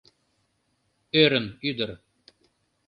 — Ӧрын ӱдыр.